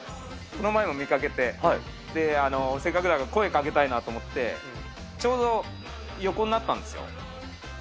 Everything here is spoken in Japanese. この前も見かけて、せっかくだから、声かけたいなと思って、ちょうど横になったんですよ。